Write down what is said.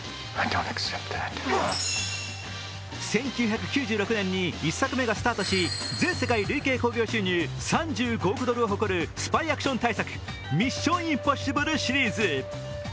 １９９６年に１作目がスタートし、全世界累計興行収入３５億ドルを誇るスパイアクション大作「ミッション：インポッシブル」シリーズ。